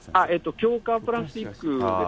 強化プラスチックです。